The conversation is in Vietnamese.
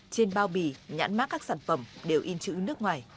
trên bao bì nhãn mát các sản phẩm đều in chữ nước ngoài